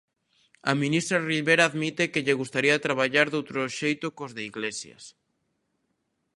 A ministra Ribera admite que lle gustaría traballar doutro xeito cos de Iglesias.